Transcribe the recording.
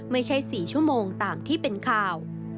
ไม่ใช่๔ชั่วโมงตามที่เป็นข่าว